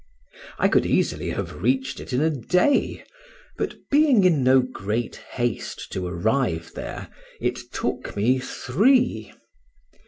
I could easily have reached it in a day, but being in no great haste to arrive there, it took me three.